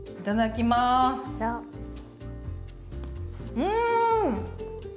うん！